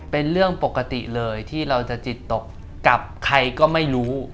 เป็นเรื่องปกติเลยที่เราจะจิตตกกับใครก็ไม่รู้